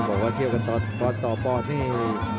บอกว่าเที่ยวกันต่อบอสต่อบอสนี่